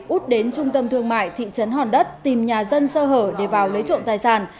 út đến trung tâm thương mại thị trấn hòn đất tìm nhà dân sơ hở để vào lấy trộm tài sản